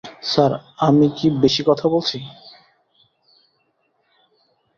Sir আমি কি বেশি কথা বলছি?